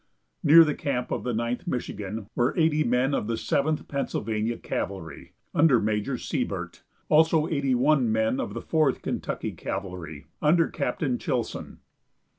Near the camp of the Ninth Michigan were eighty men of the Seventh Pennsylvania Cavalry, under Major Seibert; also, eighty one men of the Fourth Kentucky Cavalry, under Captain Chilson.